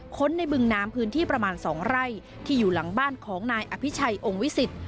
ค้นในบึงน้ำพื้นที่ประมาณ๒ไร่ที่อยู่หลังบ้านของนายอภิชัยองค์วิสิต